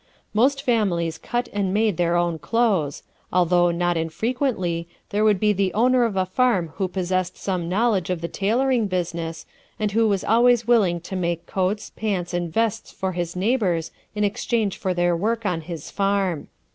"Most families cut and made their own clothes, although, not infrequently, there would be the owner of a farm who possessed some knowledge of the tailoring business, and who was always willing to make coats, pants and vests for his neighbors in exchange for their work on his farm.